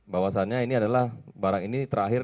bahwasannya ini adalah barang ini terakhir